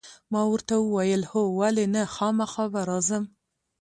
ما ورته وویل: هو، ولې نه، خامخا به راځم.